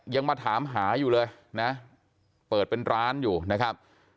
ยังมาถามหาอยู่เลยนะเปิดเป็นร้านอยู่นะครับ